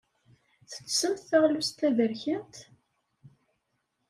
Tettessemt taɣlust taberkant?